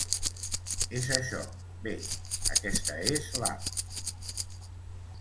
És això, bé, aquesta és l'App.